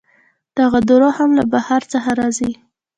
دغه درواغ هم له بهر څخه راځي.